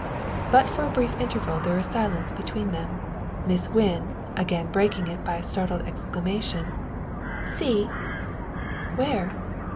But for a brief interval is there silence between them; Miss Wynn again breaking it by a startled exclamation: "See!" "Where?